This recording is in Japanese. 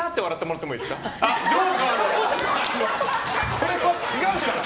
それは違うから！